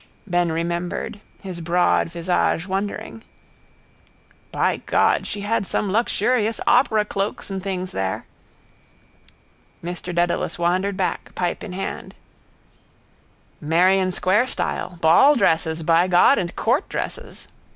Ben remembered, his broad visage wondering. —By God, she had some luxurious operacloaks and things there. Mr Dedalus wandered back, pipe in hand. —Merrion square style. Balldresses, by God, and court dresses.